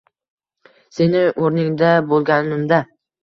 Sening o'rningda bo'lganimda.